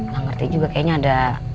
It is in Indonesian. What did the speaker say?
nggak ngerti juga kayaknya ada